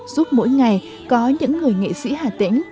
giúp mỗi ngày có những người nghệ sĩ hạ tỉnh